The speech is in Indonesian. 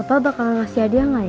pembagian tim hari ini